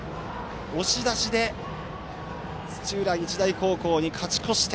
押し出しで土浦日大高校に勝ち越し点。